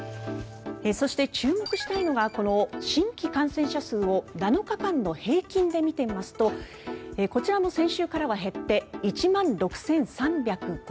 そして、注目したいのがこの新規感染者数を７日間の平均で見てみますとこちらも先週からは減って１万６３５０人。